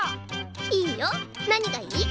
いいよ何がいい？